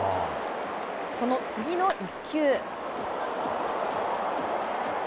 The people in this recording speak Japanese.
その次の一球。